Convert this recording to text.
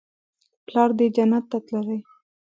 پلار دې جنت ته تللى.